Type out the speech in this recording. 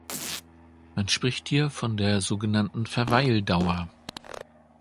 Man spricht hier von der sogenannten Verweildauer.